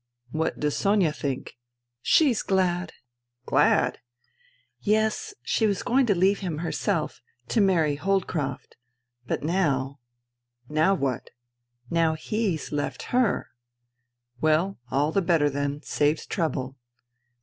" What does Sonia think ?"" She's glad." " Glad ?"" Yes. She was going to leave him herself ... to marry Holdcroft. But now ..."" Now what ?"" But now he*s left her." " Well, all the better, then. Saves trouble."